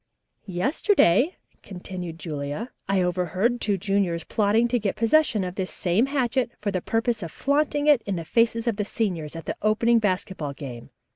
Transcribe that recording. "Yesterday," continued Julia, "I overheard two juniors plotting to get possession of this same hatchet for the purpose of flaunting it in the faces of the seniors at the opening basketball game.